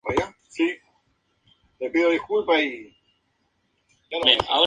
La droga Viagra trabaja liberando óxido nítrico para producir el mismo efecto.